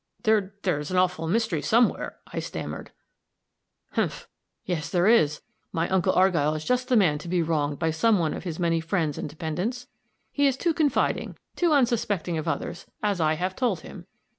"There is an awful mystery somewhere," I stammered. "Humph! yes, there is. My uncle Argyll is just the man to be wronged by some one of his many friends and dependents. He is too confiding, too unsuspecting of others as I have told him.